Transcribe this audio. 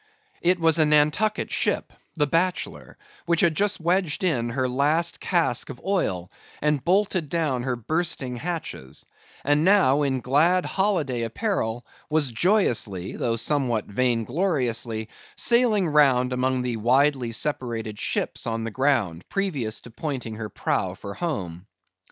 It was a Nantucket ship, the Bachelor, which had just wedged in her last cask of oil, and bolted down her bursting hatches; and now, in glad holiday apparel, was joyously, though somewhat vain gloriously, sailing round among the widely separated ships on the ground, previous to pointing her prow for home.